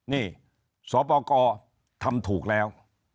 นี่สปกรทำถูกแล้ว